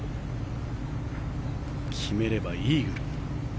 決めればイーグル。